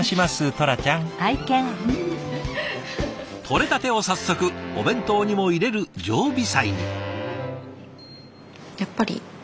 とれたてを早速お弁当にも入れる常備菜に。